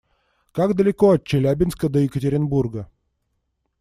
Как далеко от Челябинска до Екатеринбурга?